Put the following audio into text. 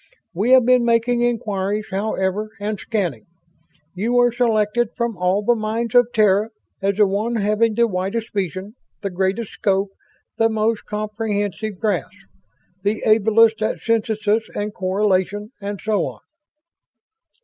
We have been making inquiries, however, and scanning. You were selected from all the minds of Terra as the one having the widest vision, the greatest scope, the most comprehensive grasp. The ablest at synthesis and correlation and so on."